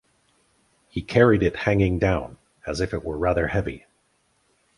He carried it hanging down, as if it were rather heavy.